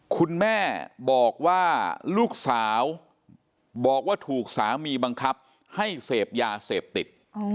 คุณแม่บอกว่าลูกสาวบอกว่าถูกสามีบังคับให้เสพยาเสพติด